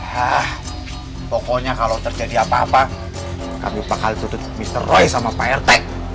hah pokoknya kalau terjadi apa apa kami bakal tutup mister roy sama pak rt